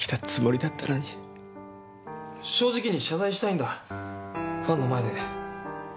正直に謝罪したいんだファンの前で。